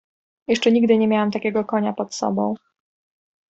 "Jeszcze nigdy nie miałem takiego konia pod sobą."